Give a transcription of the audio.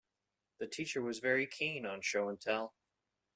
The teacher was very keen on Show and Tell.